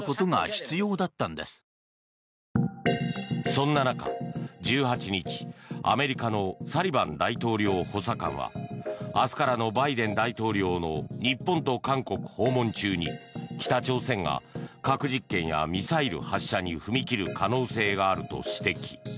そんな中、１８日アメリカのサリバン大統領補佐官は明日からのバイデン大統領の日本と韓国訪問中に北朝鮮が核実験やミサイル発射に踏み切る可能性があると指摘。